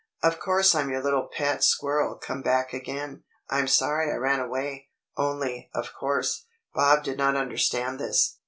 "Of course I'm your little pet squirrel come back again. I'm sorry I ran away." Only, of course, Bob did not understand this.